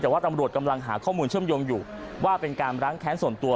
แต่ว่าตำรวจกำลังหาข้อมูลเชื่อมโยงอยู่ว่าเป็นการร้างแค้นส่วนตัว